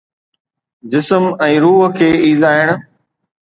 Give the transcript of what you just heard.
جسم ۽ روح کي ايذائڻ